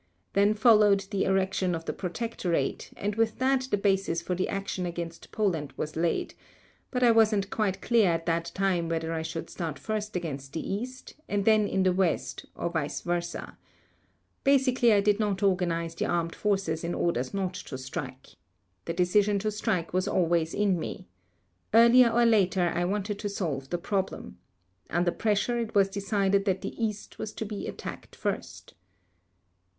Then followed the erection of the Protectorate and with that the basis for the action against Poland was laid, but I wasn't quite clear at that time whether I should start first against the East and then in the West or vice versa .... Basically I did not organize the Armed Forces in order not to strike. The decision to strike was always in me. Earlier or later I wanted to solve the problem. Under pressure it was decided that the East was to be attacked first."